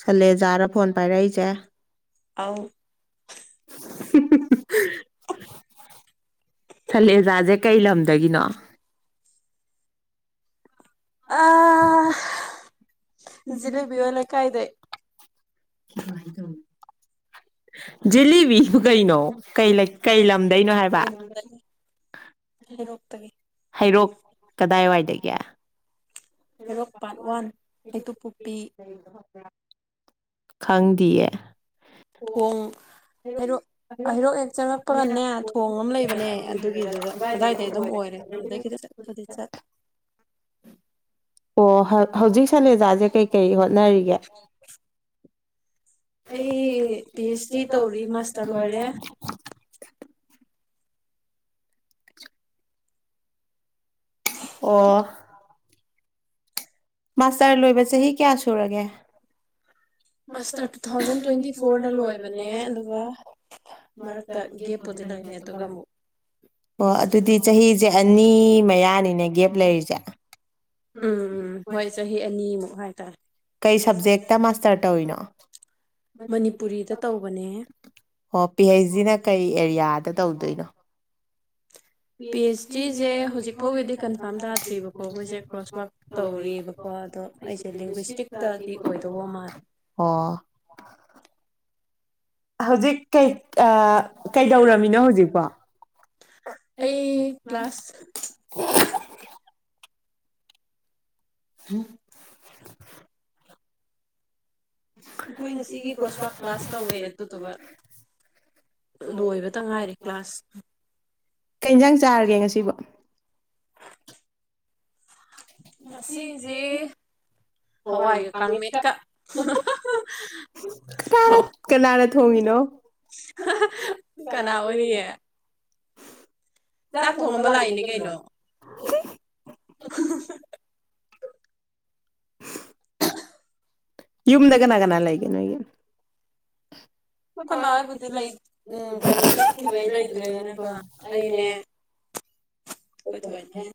ꯁꯜꯂꯦꯖꯥꯔ phone ꯄꯥꯏꯔꯛꯏꯁꯦ ꯑꯧ [unintelligible] ꯁꯜꯂꯦꯖꯥꯁꯦ ꯀꯩ ꯂꯝꯗꯒꯤꯅꯣ ꯑꯥ ꯖꯤꯂꯦꯕꯤ ꯍꯣꯏ ꯂꯩꯀꯥꯏꯗꯩ ꯀꯃꯥꯏꯅ ꯇꯧꯅꯤ ꯖꯦꯂꯤꯕꯤ ꯑꯕꯨ ꯀꯩꯅꯣ ꯀꯩ ꯀꯩ ꯂꯝꯗꯩꯅꯣ ꯍꯥꯏꯕ ꯀꯩꯅꯣꯗꯒꯤ ꯍꯩꯔꯣꯛꯇꯒꯤ ꯍꯩꯔꯣꯛ ꯀꯗꯥꯏꯋꯥꯏꯗꯒꯤ ꯍꯩꯔꯣꯛ ꯄꯥꯔꯠ ꯋꯥꯟ ꯍꯩꯇꯨꯞ ꯄꯣꯛꯄꯤ ꯈꯪꯗꯤꯌꯦ ꯊꯣꯡ ꯍꯩꯔꯣꯛ ꯍꯩꯔꯣꯛ ꯍꯦꯛ ꯆꯪꯉꯛꯄꯒꯅꯦ ꯊꯣꯡ ꯑꯃ ꯂꯩꯕꯅꯦ ꯑꯗꯨꯒꯤꯗꯨꯗ ꯑꯗꯥꯏꯗꯩ ꯑꯗꯨꯝ ꯑꯣꯏꯔꯦ ꯑꯗꯨꯗꯩ ꯈꯤꯇꯡ ꯆꯠꯄꯗꯤ ꯆꯠꯂꯦ ꯑꯣ ꯍꯧꯖꯤꯛ ꯁꯂꯦꯖꯥꯁꯦ ꯀꯩ ꯀꯩ ꯍꯣꯠꯅꯔꯤꯒꯦ ꯑꯩꯁꯦ ꯄꯤ ꯍꯩꯁ ꯗꯤ ꯇꯧꯔꯤ ꯃꯥꯁꯇꯔ ꯂꯣꯏꯔꯦ [unintelligible] ꯑꯣ ꯃꯥꯁꯇꯔ ꯂꯣꯏꯕ ꯆꯍꯤ ꯀꯌꯥ ꯁꯨꯔꯒꯦ ꯃꯥꯁꯇꯔ ꯂꯣꯏꯕꯗꯤ ꯇꯨ ꯊꯥꯎꯖꯟ ꯇꯋꯦꯟꯇꯤꯐꯣꯔꯗ ꯂꯣꯏꯕꯅꯦ ꯑꯗꯒ ꯃꯔꯛꯇ ꯒꯦꯞ ꯄꯨꯗꯤ ꯂꯩꯈꯔꯦ ꯑꯗꯨꯒ ꯑꯃꯨꯛ ꯄꯤ ꯑꯣ ꯑꯩꯆ ꯗꯤ ꯑꯗꯨꯗꯤ ꯇꯧ ꯆꯍꯤꯁꯦ ꯑꯅꯤ ꯃꯌꯥꯅꯤ ꯒꯦꯞ ꯂꯩꯔꯤꯖꯦ ꯎꯝ ꯍꯣꯏ ꯆꯍꯤ ꯑꯅꯤꯃꯨꯛ ꯍꯥꯏ ꯀꯩ ꯁꯕꯖꯦꯛꯇ ꯃꯥꯁꯇꯔ ꯇꯧꯔꯤꯅꯣ ꯃꯅꯤꯄꯨꯔꯤꯗ ꯇꯧꯕꯅꯦ ꯑꯣ ꯄꯤ ꯍꯩꯆ ꯗꯤꯅ ꯀꯩ ꯑꯦꯔꯤꯌꯥꯗ ꯇꯧꯗꯣꯏꯅꯣ ꯄꯤ ꯍꯩꯁ ꯑꯩꯆ ꯗꯤ ꯁꯦ ꯗꯤꯁꯦ ꯍꯧꯖꯤꯛ ꯍꯧꯖꯤꯛꯐꯥꯎꯒꯤꯗꯤ ꯐꯥꯎꯒꯤꯗꯤ ꯀꯟꯐꯥꯝ ꯀꯟꯐꯥꯔꯝ ꯇꯥꯗꯔꯤꯕꯀꯣ ꯇꯥꯗ꯭ꯔꯤꯕꯀꯣ ꯑꯩꯁꯦ ꯑꯩꯈꯣꯏꯁꯦ ꯀ꯭ꯔꯣꯁ ꯀꯣꯔꯁ ꯋꯥꯛ ꯋꯥꯛꯇꯤ ꯇꯧꯔꯤ ꯇꯧꯔꯤꯕꯀꯣ ꯑꯗꯣ ꯑꯩꯁꯦ ꯂꯤꯡꯒ꯭ꯋꯤꯁꯇꯤꯛꯇꯗꯤ ꯑꯣꯏꯗꯧꯕ ꯃꯥꯜꯂꯦ [unintelligible] ꯑꯣ ꯍꯧꯖꯤꯛ ꯀꯩ ꯀꯩꯗꯧꯔꯝꯃꯤꯅꯣ ꯍꯧꯖꯤꯛꯄꯣ ꯑꯩ ꯀꯂꯥꯁ ꯎꯝ [unintelligible] ꯑꯩꯈꯣꯏ ꯉꯁꯤꯒꯤ ꯀ꯭ꯔꯣꯁꯋꯥꯛ ꯀ꯭ꯂꯥꯁ ꯇꯧꯋꯦ ꯑꯗꯨꯗꯨꯒ ꯂꯣꯏꯕꯇ ꯉꯥꯏꯔꯦ ꯀ꯭ꯂꯥꯁ ꯀꯩ ꯌꯦꯟꯁꯥꯡ ꯆꯥꯔꯒꯦ ꯉꯁꯤꯕꯣ [unintelligible] ꯉꯁꯤꯁꯤ ꯉꯁꯤꯁꯦ ꯍꯋꯥꯏꯒ ꯀꯪꯃꯦꯠꯀ [unintelligible] ꯀꯅꯥꯅ ꯊꯣꯡꯉꯤꯅꯣ ꯀꯅꯥ [unintelligible] ꯑꯣꯏꯔꯤꯌꯦ ꯆꯥꯛ ꯊꯣꯡꯕꯗ ꯉꯥꯏꯔꯤ ꯀꯩꯅꯣ ꯎ ꯌꯨꯝꯗ ꯀꯅꯥ ꯀꯅꯥ ꯂꯩꯒꯦꯅꯣꯏꯒꯤ ꯑꯩꯈꯣꯏ ꯃꯥ ꯍꯣꯏꯕꯨꯗꯤ ꯂꯩ ꯎꯝ ꯀꯩꯅꯣ ꯆꯠꯈꯤꯕꯩ ꯂꯩꯇ꯭ꯔꯦꯗꯅꯀꯣ ꯑꯩꯅꯦ ꯑꯩꯈꯣꯏ ꯑꯩꯅꯦ ꯊꯣꯏꯅꯦ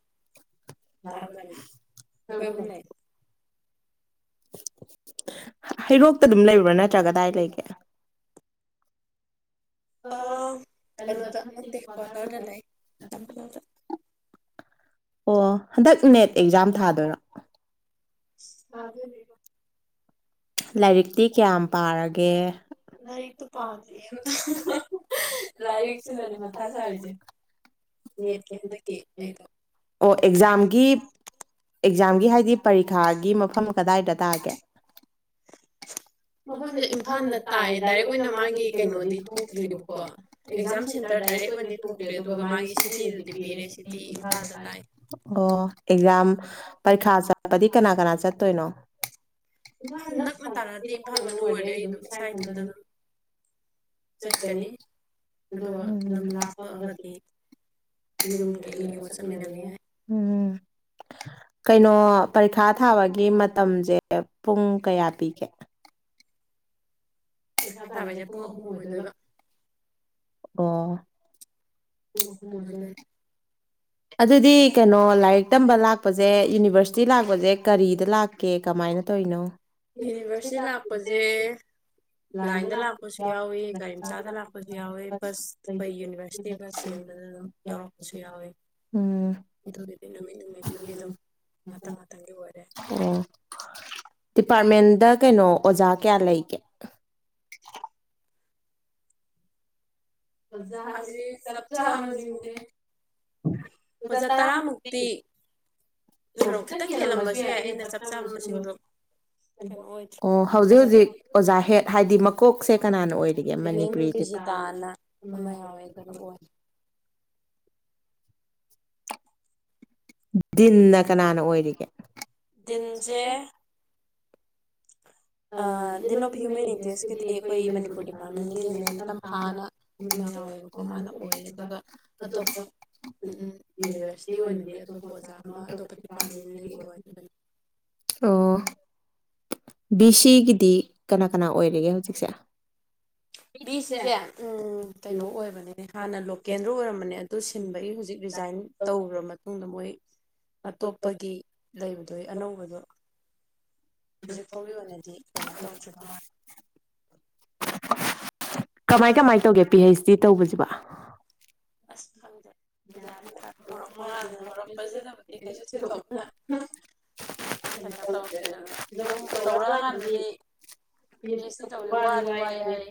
ꯗꯥ ꯏꯕꯥꯅꯤ ꯑꯩꯈꯣꯏ ꯑꯍꯨꯝ ꯂꯩ [inaudible] ꯍꯩꯔꯣꯛꯇ ꯑꯗꯨꯝ ꯂꯩꯕ꯭ꯔꯥ ꯅꯠꯇ꯭ꯔꯥꯒ ꯀꯗꯥꯏ ꯂꯩꯒꯦ ꯑ ꯀꯩꯅꯣꯗ ꯀꯋꯥꯇꯔꯗ ꯂꯩ ꯑꯗ ꯑꯣ ꯍꯟꯗꯛ ꯅꯦꯠ ꯑꯦꯛꯖꯥꯝ ꯊꯥꯗꯣꯏꯔꯣ ꯑ ꯂꯥꯏꯔꯤꯛꯇꯤ ꯀꯌꯥꯝ ꯄꯥꯔꯒꯦ ꯂꯥꯏꯔꯤꯛꯇꯨ ꯄꯥꯗ꯭ꯔꯤ ꯂꯥꯏꯔꯤꯛꯁꯤꯗꯅꯦ ꯃꯊꯥ ꯁꯥꯔꯤꯁꯦ ꯅꯦꯠꯀꯤ ꯍꯟꯗꯛꯀꯤ ꯑꯩꯗꯣ ꯑꯣ ꯑꯦꯛꯖꯥꯝꯒꯤ ꯑꯦꯛꯖꯥꯝꯒꯤ ꯍꯥꯏꯗꯤ ꯄꯔꯤꯈꯥꯒꯤ ꯃꯐꯝ ꯀꯗꯥꯏꯗ ꯇꯥꯒꯦ ꯃꯐꯝꯁꯦ ꯏꯝꯐꯥꯜꯗ ꯇꯥꯏ ꯑꯗꯣ ꯗꯥꯏꯔꯦꯛ ꯑꯣꯏꯅ ꯊꯣꯛꯇ꯭ꯔꯤ ꯑꯗꯨꯒꯤ ꯑꯦꯛꯖꯥꯝ ꯁꯦꯟꯇꯔ ꯗꯥꯏꯔꯦꯛ ꯑꯣꯏꯅꯗꯤ ꯊꯣꯛꯇ꯭ꯔꯦ ꯑꯗꯨꯒ ꯃꯥꯒꯤ ꯁꯤꯇꯤꯗꯨꯗꯤ ꯄꯤꯔꯦ ꯁꯤꯇꯤ ꯏꯝꯐꯥꯜꯗ ꯇꯥꯏ ꯑꯣꯥ ꯄꯔꯤꯈꯥ ꯆꯠꯄꯗꯤ ꯀꯅꯥ ꯀꯅꯥ ꯆꯠꯇꯣꯏꯅꯣ ꯏꯝꯐꯥꯜ ꯅꯛꯅ ꯇꯥꯔꯛꯑꯗꯤ ꯏꯝꯐꯥꯜ ꯃꯅꯨꯡ ꯑꯣꯏꯔꯗꯤ ꯑꯩ ꯑꯗꯨꯝ ꯏꯁꯥ ꯏꯊꯟꯇ ꯑꯗꯨꯝ ꯆꯠꯀꯅꯤ ꯑꯗꯨꯒ ꯑꯗꯨꯝ ꯂꯥꯞꯄꯛꯑꯒꯗꯤ ꯌꯨꯝꯒꯤ ꯃꯤ ꯌꯦꯡꯉ ꯆꯠꯃꯤꯟꯅꯕ ꯌꯥꯏ ꯎꯝ ꯀꯩꯅꯣ ꯄꯔꯤꯈꯥ ꯊꯥꯕꯒꯤ ꯒꯤ ꯃꯇꯝꯁꯦ ꯄꯨꯡ ꯀꯌꯥ ꯄꯤꯒꯦ ꯄꯩꯈꯥ ꯇꯥꯕꯗꯤ ꯄꯨꯡ ꯑꯍꯨꯝ ꯑꯣꯏꯗꯣꯏꯕ ꯑꯣ ꯑꯣꯏꯗꯣꯏꯅꯤ ꯑꯗꯨꯗꯤ ꯀꯩꯅꯣ ꯂꯥꯏꯔꯤꯛ ꯇꯝꯕ ꯂꯥꯛꯄꯁꯦ ꯌꯨꯅꯤꯚꯔꯁꯤꯇꯤ ꯂꯥꯛꯄꯁꯦ ꯀꯔꯤꯗ ꯂꯥꯛ ꯀꯦ ꯀꯃꯥꯏꯅ ꯇꯧꯔꯤꯅꯣ ꯌꯨꯅꯤꯚꯔꯁꯤꯇꯤ ꯂꯥꯛꯄꯁꯦ ꯂꯥꯏꯟꯗ ꯂꯥꯛꯄꯁꯨ ꯌꯥꯎꯋꯤ ꯒꯥꯔꯤ ꯃꯆꯥꯗ ꯂꯥꯛꯄꯁꯨ ꯌꯥꯎꯋꯤ ꯕꯁ ꯑꯩꯈꯣꯏ ꯌꯨꯅꯤꯚꯔꯁꯤꯇꯤ ꯕꯁ ꯆꯦꯟꯕꯗ ꯑꯗꯨ ꯌꯥꯎꯔꯛꯄꯁꯨ ꯌꯥꯎꯋꯤ ꯎꯝ ꯑꯗꯨꯒꯤꯗꯤ ꯅꯨꯃꯤꯠ ꯅꯨꯃꯤꯠ ꯇꯨꯒꯤ ꯃꯇꯝ ꯃꯇꯝ ꯒꯤ ꯑꯣꯏꯔꯦ ꯑꯣ ꯗꯤꯄꯥꯔꯠꯃꯦꯟꯗ ꯀꯩꯅꯣ ꯑꯣꯖꯥ ꯀꯌꯥ ꯂꯩꯒꯦ ꯑꯣꯖꯥꯁꯦ ꯆꯞ ꯆꯥꯕ ꯃꯁꯤꯡꯁꯦ ꯑꯣꯖꯥ ꯇꯔꯥꯃꯨꯛꯇꯤ [inaudible] ꯑꯣ ꯁꯣꯔꯣꯛ ꯍꯧꯖꯤꯛ ꯈꯤꯇꯪ ꯍꯦꯜꯂꯝꯕꯁꯨ ꯌꯥꯏ ꯑꯩꯅ ꯆꯞ ꯆꯥꯕ ꯃꯁꯤꯡꯗꯣ ꯀꯩꯅꯣ ꯑꯣꯏꯗ꯭ꯔꯦ ꯑꯣꯖꯥ ꯍꯧꯖꯤꯛ ꯑꯣꯖꯥ ꯍꯦꯠ ꯍꯥꯏꯗꯤ ꯃꯀꯣꯛꯁꯦ ꯀꯅꯥꯅ ꯑꯣꯏꯔꯤꯒꯦ ꯃꯦꯝ ꯃꯅꯤꯄꯨꯔꯤ ꯕꯤꯖꯤꯇꯥꯅ ꯑꯃ ꯌꯥꯎꯋꯦꯗꯅ ꯑꯣꯏ ꯗꯤꯟꯅ ꯀꯅꯥꯅ ꯑꯣꯏꯔꯤꯒꯦ ꯗꯤꯟꯁꯦ ꯗꯦꯟ ꯑꯣꯐ ꯍ꯭ꯌꯨꯃꯦꯟ ꯏꯟꯇꯔꯦꯁꯀꯤꯗꯤ ꯑꯩꯈꯣꯏ ꯃꯅꯤꯄꯨꯔ ꯗꯤꯄꯥꯔꯠꯃꯦꯟꯒꯤ ꯃꯦꯝ ꯇꯝꯐꯥꯅ ꯑꯃ ꯌꯥꯎꯋꯦꯕꯀꯣ ꯃꯥꯅ ꯑꯣꯏ ꯑꯗꯨꯒ ꯑꯩꯈꯣꯏꯅꯤꯄꯨꯔꯗꯤꯄꯥꯔꯦꯟ ꯑꯇꯣꯞꯄ ꯌꯨꯅꯤꯚꯔꯁꯤꯇꯤ ꯑꯣꯏꯅꯗꯤ ꯑꯇꯣꯞꯄ ꯑꯣꯖꯥ ꯑꯃ ꯑꯇꯣꯞꯄ ꯗꯤꯄꯥꯔꯠꯃꯦꯟꯗꯒꯤ ꯑꯣꯏꯕꯅꯤ ꯑꯣ ꯕꯤ ꯁꯤꯒꯤꯗꯤ ꯀꯅꯥ ꯀꯅꯥ ꯑꯣꯏꯔꯤꯒꯦ ꯍꯧꯖꯤꯛꯁꯦ ꯕꯤ ꯁꯤꯁꯦ ꯎꯝ ꯀꯩꯅꯣ ꯑꯣꯏꯕꯅꯤꯅꯦ ꯍꯥꯟꯅ ꯂꯣꯀꯦꯟꯗꯔꯣ ꯑꯣꯏꯔꯝꯕꯅꯦ ꯑꯗꯨ ꯁꯤꯟꯕꯒꯤ ꯍꯧꯖꯤꯛ ꯔꯤꯖꯥꯏꯟ ꯇꯧꯈ꯭ꯔ ꯃꯇꯨꯡꯗ ꯃꯣꯏ ꯑꯇꯣꯞꯄꯒꯤ ꯂꯩꯕꯗꯣ ꯑꯅꯧꯕꯗꯣ ꯍꯧꯖꯤꯛ ꯐꯥꯎꯒꯤ ꯑꯣꯏꯅꯗꯤ ꯀꯩꯅꯣ ꯇꯧꯗ꯭ꯔꯤꯕ ꯃꯥꯂꯦ ꯀꯃꯥꯏ ꯀꯃꯥꯏꯅ ꯇꯧꯒꯦ ꯄꯤ ꯍꯩꯆ ꯗꯤ ꯇꯧꯕꯁꯤꯕ ꯑꯁ ꯍ ꯍꯧꯗꯦ ꯠ ꯍꯧꯔꯛꯄ ꯉꯅ ꯍꯧꯔꯛꯄꯁꯤꯗꯕꯨꯗꯤ ꯀꯩꯁꯨ ꯊꯣꯏꯗꯧꯕ ꯀꯅ ꯇ ꯇꯧꯔ ꯄꯤ ꯑꯩꯆ ꯗꯤ ꯇꯧꯕꯁꯦ ꯋꯥꯗꯤ ꯋꯥꯏ ꯍꯥꯏ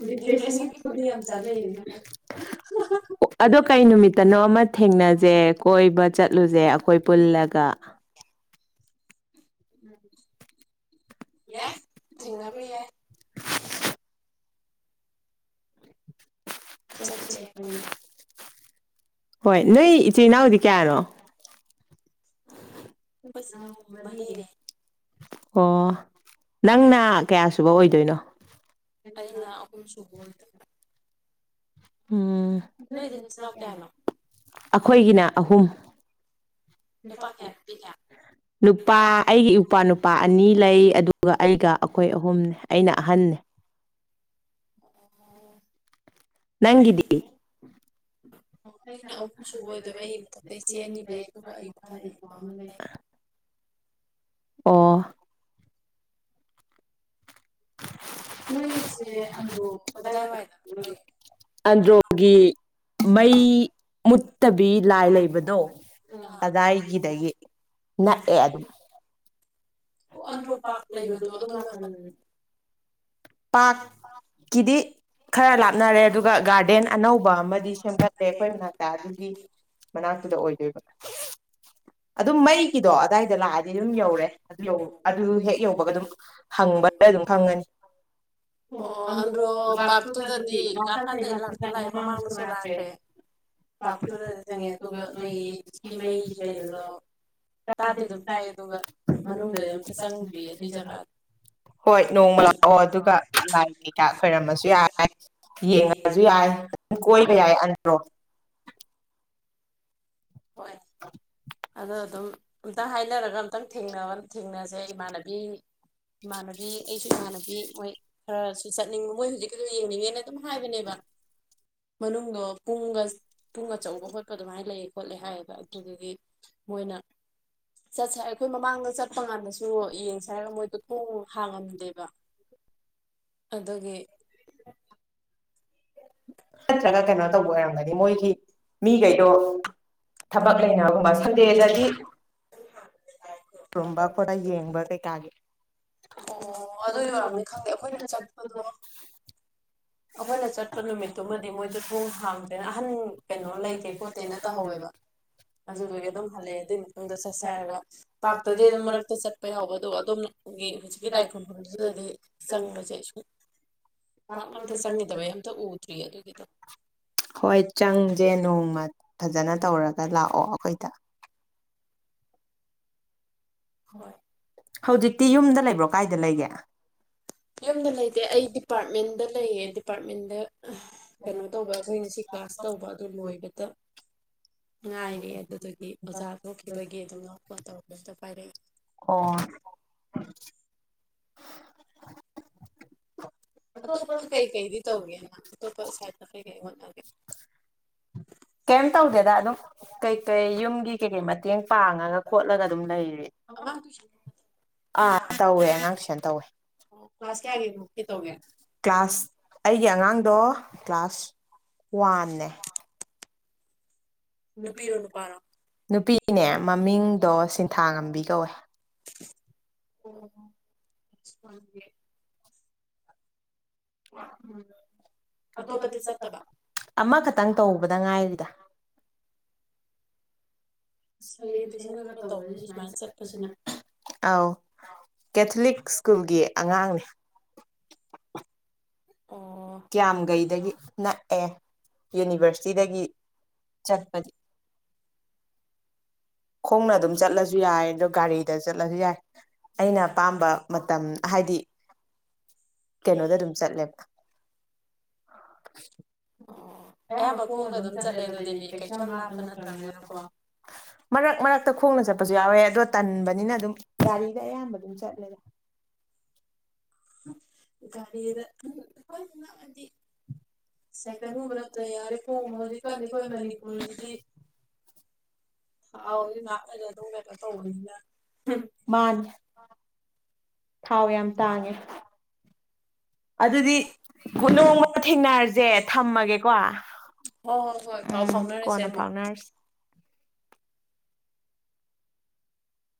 ꯗꯤꯄ꯭ꯔꯦꯁꯟꯒꯤ ꯒꯨꯂꯤ ꯌꯥꯝ ꯆꯥꯅꯩꯌꯦꯅ ꯍꯥꯏ ꯑꯗꯣ ꯀꯩ ꯅꯨꯃꯤꯠꯇꯅꯣ ꯑꯃ ꯊꯦꯡꯅꯖꯦ ꯀꯣꯏꯕ ꯆꯠꯂꯨꯁꯦ ꯑꯩꯈꯣꯏ ꯄꯨꯜꯂꯒ ꯎꯝ ꯌꯥ ꯌꯥꯏ ꯎꯕꯤ ꯊꯦꯡꯅꯕ ꯌꯥ ꯌꯥꯏ ꯆꯠꯁꯦ ꯑꯩꯈꯣꯏ ꯁꯠꯁꯔꯤ ꯍꯣꯏ ꯅꯣꯏ ꯏꯆꯤ ꯑꯩꯈꯣꯏ ꯏꯆꯤꯟ ꯏꯅꯥꯎꯗꯤ ꯀꯌꯥꯅꯣ ꯍꯣꯏꯁꯤ ꯅ ꯃꯅꯤꯔꯦ ꯑꯣ ꯅꯪꯅ ꯀꯌꯥ ꯁꯨꯕ ꯑꯣꯏꯗꯣꯏꯅꯣ ꯑꯩꯅ ꯑꯍꯨꯝ ꯁꯨꯕ ꯑꯣꯏꯗꯣꯏ ꯎꯝ ꯅꯣꯏꯗꯤ ꯅꯆꯤꯟ ꯅꯅꯥꯎ ꯀꯌꯥꯅꯣ ꯑꯩꯈꯣꯏꯒꯤꯅ ꯑꯍꯨꯝ ꯅꯨꯄꯥ ꯀꯌꯥ ꯅꯨꯄꯤ ꯀꯌꯥ ꯅꯨꯄꯥ ꯑꯩꯒꯤ ꯏꯄꯥ ꯅꯨꯄꯥ ꯑꯅꯤ ꯂꯩ ꯑꯗꯨꯒ ꯑꯩꯒ ꯑꯩꯈꯣꯏ ꯑꯍꯨꯝꯅꯤ ꯑꯩꯅ ꯑꯍꯟ ꯑꯣ ꯅꯪꯗ ꯅꯪꯒꯤꯗꯤ ꯑꯩꯅ ꯑꯍꯨꯝ ꯁꯨꯕ ꯑꯣꯏꯗꯣꯏꯕ ꯑꯩ ꯃꯊꯛꯇ ꯏꯆꯦ ꯑꯅꯤ ꯂꯩ ꯑꯗꯨꯒ ꯑꯩ ꯃꯈꯥꯗ ꯏꯄ꯭ꯋꯥ ꯑꯃ ꯂꯩ ꯑꯣ ꯅꯣꯏꯒꯤꯁꯦ ꯑꯟꯗ꯭ꯔꯣ ꯀꯗꯥꯏꯋꯥꯏꯗꯅꯣ ꯅꯣꯏꯒꯤ ꯑꯟꯗ꯭ꯔꯣꯒꯤ ꯃꯩ ꯃꯨꯠꯇꯕꯤ ꯂꯥꯏ ꯂꯩꯕꯗꯣ ꯑꯥ ꯀꯗꯥꯏꯒꯤꯗꯒꯤ ꯅꯛꯑꯦ ꯑꯗꯨꯝ ꯑꯣ ꯑꯟꯗ꯭ꯔꯣ ꯑ ꯄꯥꯛ ꯄꯥꯔꯛ ꯂꯩ ꯑꯗꯨ ꯂꯩꯕꯗꯣ ꯑꯗꯨ ꯑꯗꯣꯝ ꯅꯥꯀꯟ ꯄꯥꯔꯛꯀꯤꯗꯤ ꯈꯔ ꯂꯥꯞꯅꯔꯦ ꯑꯗꯨꯒ ꯒꯥꯔꯗꯦꯟ ꯑꯅꯧꯕ ꯑꯃꯗꯤ ꯁꯦꯝꯒꯠꯂꯦ ꯑꯩꯈꯣꯏ ꯃꯅꯥꯛꯇ ꯑꯗꯨꯒꯤ ꯃꯅꯥꯛꯇꯨꯗ ꯑꯣꯏꯗꯣꯏꯕ ꯑꯗꯨꯝ ꯃꯩꯒꯤꯗꯣ ꯑꯗꯨꯗꯥꯏꯗ ꯂꯥꯛꯑꯗꯤ ꯑꯗꯨꯝ ꯌꯧꯔꯦ ꯑꯗꯨ ꯑꯗꯨ ꯍꯦꯛ ꯌꯧꯕꯒ ꯑꯗꯨꯝ ꯍꯪꯕꯗ ꯑꯗꯨꯝ ꯐꯪꯒꯅꯤ ꯑꯣ ꯑꯟꯗ꯭ꯔꯣ ꯑꯣꯇꯨꯗꯤ ꯄꯥꯔꯛꯇꯨꯗꯗꯤ ꯉꯍꯥꯟꯗꯩ ꯂꯥꯛꯇꯤ ꯂꯥꯛꯑꯦ ꯃꯃꯥꯡꯗꯁꯨ ꯃꯃꯥꯡꯁꯨꯇ꯭ꯔꯦꯇꯉꯦ ꯂꯥꯛꯈ꯭ꯔꯦ ꯑꯗꯨꯒ ꯄꯥꯔꯛꯇꯨꯗꯗꯤ ꯆꯪꯉꯦ ꯑꯗꯨꯒ ꯅꯣꯏ ꯅꯣꯏꯒꯤꯩꯒꯤ ꯍꯧꯖꯤꯛꯀꯤ ꯃꯩꯒꯤ ꯂꯩꯕꯗꯣ ꯇꯥꯗꯤ ꯑꯗꯨꯝ ꯇꯥꯏ ꯑꯗꯨꯒ ꯃꯅꯨꯡꯗꯗꯤ ꯑꯝꯇ ꯆꯪꯗ꯭ꯔꯤ ꯑꯗꯨꯏ ꯖꯒꯥꯗꯣ ꯃꯅꯨꯡꯗꯣꯏꯣꯡꯃ ꯂꯥꯏ ꯀꯩꯀꯥꯛ ꯈꯣꯏꯔꯝꯃꯁꯨ ꯌꯥꯏ ꯌꯦꯡꯉꯁꯨ ꯌꯥꯏꯝ ꯀꯣꯏꯕ ꯌꯥꯏ ꯑꯟꯗ꯭ꯔꯣ ꯍꯣꯏ ꯑꯗꯣ ꯑꯗꯨꯝ ꯑ ꯍꯥꯏꯅꯔꯒ ꯑꯝꯛꯇꯪ ꯊꯦꯡ ꯊꯦꯡꯅꯁꯦ ꯏꯃꯥꯟꯅꯕꯤ ꯏꯃꯥꯟꯅꯕꯤ ꯑꯩꯁꯨ ꯏꯃꯥꯟꯅꯕꯤ ꯃꯣꯏ ꯈꯔꯁꯨ ꯆꯠꯅꯤꯡꯕ ꯃꯣꯏ ꯍꯧꯖꯤꯛꯀꯁꯨ ꯌꯦꯡꯅꯤꯡꯉꯦꯅ ꯑꯗꯨꯝ ꯍꯥꯏꯕꯅꯦꯕ ꯃꯅꯨꯡꯗꯣ ꯄꯨꯡꯒ ꯄꯨꯡ ꯑꯆꯧꯕ ꯈꯣꯠꯄ ꯑꯗꯨꯃꯥꯏꯅ ꯂꯩ ꯈꯣꯠꯂꯦ ꯍꯥꯏꯌꯦꯕ ꯑꯗꯨꯗꯒꯤ ꯃꯣꯏꯅ ꯆꯠꯁꯦ ꯑꯩꯈꯣꯏ ꯃꯃꯥꯡꯗ ꯆꯠꯄ ꯀꯥꯟꯗꯁꯨ ꯌꯦꯡꯁꯦ ꯍꯥꯏꯔꯒ ꯃꯣꯏꯗꯣ ꯊꯣꯡ ꯍꯥꯡꯉꯝꯗꯦꯕ ꯑꯗꯒꯤ ꯅꯠꯇ꯭ꯔꯒ ꯀꯩꯅꯣ ꯇꯧꯕ ꯑꯣꯏꯔꯝꯒꯅꯤ ꯃꯣꯏꯒꯤ ꯃꯤꯈꯩꯗꯣ ꯊꯕꯛ ꯂꯩꯅꯕꯒꯨꯝꯕ ꯐꯗꯗꯗꯤ ꯔꯨꯝꯕ ꯈꯣꯠꯇ ꯌꯦꯡꯕ ꯀꯩꯀꯥꯒꯤ ꯑꯣ ꯑꯗꯨ ꯑꯣ ꯑꯣꯏꯔꯝꯅꯤ ꯈꯪꯗꯦ ꯑꯩꯈꯣꯏꯅ ꯆꯠꯄꯗꯣ ꯑꯗꯨ ꯑꯩꯈꯣꯏꯅ ꯆꯠꯄ ꯅꯨꯃꯤꯠꯇꯨꯃꯗꯤ ꯃꯣꯏꯗ ꯊꯣꯡ ꯍꯥꯡꯗ꯭ꯔꯦꯅ ꯑꯍꯟ ꯀꯩꯅꯣ ꯂꯩꯇꯦ ꯈꯣꯠꯇꯦꯅ ꯇꯧꯍꯧꯋꯦꯕ ꯑꯗꯨꯗꯨꯒꯤ ꯑꯗꯨꯝ ꯍꯜꯂꯛꯑꯦ ꯑꯗꯨꯏ ꯃꯇꯨꯡꯗ ꯆꯠꯁꯦ ꯍꯥꯏꯔꯒ ꯄꯥꯛꯔꯇꯗꯤ ꯑꯗꯨꯝ ꯃꯔꯛꯇ ꯆꯠꯄ ꯌꯥꯎꯕ ꯑꯗꯨꯒ ꯑꯗꯣꯝꯒꯤ ꯍꯧꯖꯤꯛꯀꯤ ꯂꯥꯏ ꯈꯨꯔꯐꯝꯁꯤꯗꯗꯤ ꯆꯪꯕꯁꯦ ꯁꯨꯝ ꯐꯂ ꯍꯣꯏ ꯆꯪꯁꯦ ꯅꯣꯡꯃ ꯐꯖꯅ ꯇꯧꯔꯒ ꯂꯥꯛꯑꯣ ꯑꯩꯈꯣꯏ ꯍꯣꯏ ꯍꯧꯖꯤꯛꯇꯤ ꯌꯨꯝꯗ ꯂꯩꯕ꯭ꯔꯣ ꯀꯥꯏꯗ ꯂꯩꯒꯦ ꯌꯗ ꯂꯩꯇꯦ ꯑꯩ ꯗꯤꯄꯥꯔꯠꯃꯦꯟꯗ ꯂꯩꯌꯦ ꯗꯤꯄꯥꯔꯠꯃꯦꯟꯗ ꯀꯩꯅꯣ ꯇꯧꯕ ꯑꯩꯈꯣꯏ ꯉꯁꯤ ꯀ꯭ꯂꯥꯁ ꯇꯧꯕ ꯑꯗꯨ ꯂꯣꯏꯕꯗ ꯉꯥꯏꯔꯤ ꯑꯗꯨꯗꯨꯗꯒꯤ ꯑꯣꯖꯥ ꯊꯣꯛꯈꯤꯕꯒꯤ ꯑꯗꯨꯅ ꯐꯣꯟ ꯇꯧꯔꯛꯄ ꯑꯝꯇ ꯄꯥꯏꯔꯛꯏꯦ ꯑꯣ ꯑꯇꯣꯞꯄ ꯀꯩꯀꯩꯗꯤ ꯇꯧꯒꯦꯅ ꯑꯇꯣꯞꯄ ꯁꯥꯏ ꯀꯩꯀꯩ ꯍꯣꯠꯅꯒꯦ ꯀꯩ ꯀꯩ ꯌꯨꯝꯒꯤ ꯀꯦ ꯃ ꯃꯇꯦꯡ ꯄꯥꯡꯉꯒ ꯈꯣꯠꯂꯒ ꯑꯗꯨꯝ ꯂꯩꯔꯤ ꯑꯉꯥꯡ ꯇꯨꯏꯁꯟ ꯑꯥ ꯇꯧꯋꯦ ꯑꯉꯥꯡꯁꯅ ꯇꯧꯋꯦ ꯑꯣ ꯀ꯭ꯂꯥꯁ ꯀꯌꯥꯒꯤꯃꯨꯛꯀꯤ ꯇꯧꯒꯦ ꯀ꯭ꯂꯥꯁ ꯑꯩꯒꯤ ꯑꯉꯥꯡꯗꯣ ꯀ꯭ꯂꯥꯁ ꯋꯥꯟꯅꯦ ꯅꯨꯄꯤꯔꯣ ꯅꯨꯄꯤꯔꫭ ꯅꯨꯄꯥꯔꫭ ꯅꯨꯄꯥꯔꯣ ꯅꯨꯄꯤꯅꯦ ꯃꯃꯤꯡꯗꯣ ꯁꯤ ꯊꯥ ꯉꯝꯕꯤ ꯀꯧꯋꯦ ꯑꯣ ꯑꯇꫭꯞꯄꯗꯤ ꯑꯇꯣꯞꯄꯗꯤ ꯆꯠꯇꯕ ꯆꯠꯇꯕ꯭ꯔ ꯑꯃꯈꯛꯇꯪ ꯇꯧꯕꯗ ꯉꯥꯏꯔꯤꯗ ꯐꯩꯌꯦ ꯇꯨꯏꯁꯟꯒꯨꯝꯕ ꯇꯧꯕꯁꯦ ꯁꯨꯃꯥꯏꯅ ꯆꯠꯄꯁꯤꯅ ꯑꯥꯎ ꯀꯦꯊꯣꯂꯤꯛ ꯁ꯭ꯀꯨꯜꯒꯤ ꯑꯉꯥꯡꯅꯤ ꯑꯣ ꯀꯌꯥꯝꯒꯩꯗꯒꯤ ꯅꯛꯑꯦ ꯌꯨꯅꯤꯚꯔꯁꯤꯇꯤꯗꯒꯤ ꯆꯠꯄꯗꯤ ꯈꯣꯡꯅ ꯑꯗꯨꯝ ꯆꯠꯂꯁꯨ ꯌꯥꯏ ꯑꯗ ꯒꯥꯔꯤꯗ ꯆꯠꯂꯁꯨ ꯌꯥꯏ ꯑꯩꯅ ꯑꯄꯥꯝꯕ ꯃꯇꯝ ꯍꯥꯏꯗꯤ ꯀꯩꯅꯣꯗ ꯑꯗꯨꯝ ꯆꯠꯂꯦꯕ [inaudible] ꯑꯣ ꯑꯌꯥꯝꯕ ꯈꯣꯡꯗ ꯑꯗꯨꯝ ꯆꯠꯂꯦ ꯑꯗꯨꯗꯤꯒꯥ ꯀꯩꯁꯨ ꯌꯥꯝ ꯂꯥꯞꯄ ꯅꯠꯇ꯭ꯔꯕꯅꯤꯅꯀꯣ ꯃꯔꯛ ꯃꯔꯛꯇ ꯈꯣꯡꯅ ꯆꯠꯄꯁꯨ ꯌꯥꯎꯋꯦ ꯑꯗꯣ ꯇꯟꯕꯅꯤꯅ ꯑꯗꯨꯝ ꯒꯥꯔꯤꯗ ꯑꯌꯥꯝꯕ ꯑꯗꯨꯝ ꯆꯠ [inaudible] ꯒꯥꯔꯤꯗ ꯈꯪ [unintelligible] ꯑꯩꯈꯣꯏ ꯅꯛꯑꯗꯤ ꯁꯥꯏꯀꯜ ꯒꯨꯝꯕ ꯁꯥꯏꯀꯜꯒꯨꯝꯕ ꯅꯠꯇ꯭ꯔ ꯌꯥꯔꯦ [unintelligible] ꯈꯣꯡꯕ ꯍꯧꯖꯤꯛꯀꯥꯟꯗꯤ ꯑꯩꯈꯣꯏ ꯃꯅꯤꯄꯨꯔꯗꯤ ꯑꯥꯎ [inaudible] ꯃꯥꯅꯦ ꯊꯥꯎ ꯌꯥꯝ ꯇꯥꯡꯉꯦ ꯑꯗꯨꯗꯤ ꯕꯨ ꯅꯣꯡꯃ ꯊꯦꯡꯅꯔꯁꯦ ꯊꯝꯃꯒꯦꯀꯣ ꯍꯣꯏ ꯍꯣꯏ ꯍꯣꯏ ꯄꯥꯎ ꯎꯝ ꯐꯥꯎꯅꯔꯁꯦ ꯀꯣꯟꯅ ꯑꯃꯨꯛ ꯐꯥꯎꯅꯔꯁꯦ